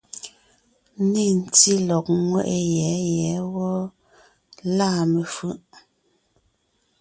Nê ntí lɔ̀g ńŋeʼe yɛ̌ yɛ̌ wɔ́ɔ, lâ mefʉ̀ʼ.